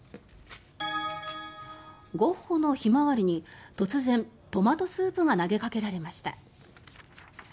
ゴッホの「ひまわり」に突然、トマトスープが投げかけられました。